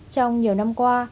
trong nhiều năm